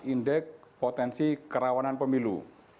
indeks potensi kerawanan pemilu